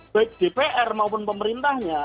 baik dpr maupun pemerintahnya